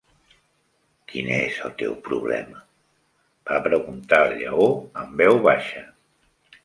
Quin és el teu problema? va preguntar el Lleó en veu baixa.